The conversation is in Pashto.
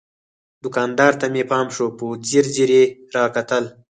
دوکاندار ته مې پام شو، په ځیر ځیر یې را کتل.